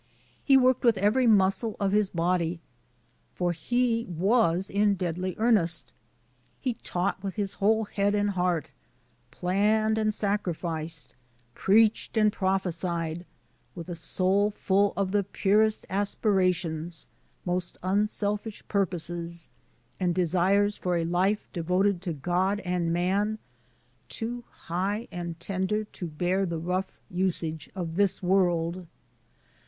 He worked with evAy muscle of his body, for he was in deadly earnest. He taught with his whole head and heart; planned and sacrificed, preached and prophesied, with a soul full of the piu'est aspirations, most unselfish piu* poses, and de^res for a life devoted to God and man, too high and tender to bear the rough uss^e of this world.